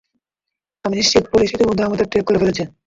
আমি নিশ্চিত পুলিশ ইতিমধ্যেই আমাদের ট্র্যাক করে ফেলেছে।